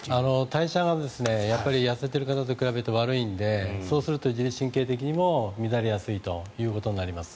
代謝が痩せている方と比べて悪いのでそうすると、自律神経的にも乱れやすいということになります。